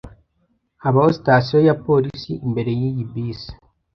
Habaho sitasiyo ya polisi imbere yiyi bisi.